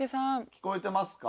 聞こえてますか？